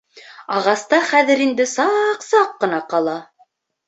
Ағаста хәҙер инде саҡ-саҡ ҡына ҡала.